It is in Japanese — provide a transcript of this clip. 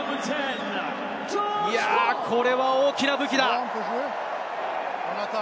これは大きな武器だ。